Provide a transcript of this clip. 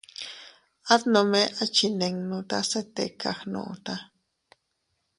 At nome a chinninuta se tika gnuta.